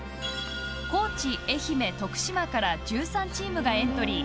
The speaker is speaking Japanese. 高知、愛媛、徳島から１３チームがエントリー。